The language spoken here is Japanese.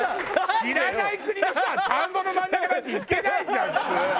知らない国の人は田んぼの真ん中なんて行けないじゃん普通。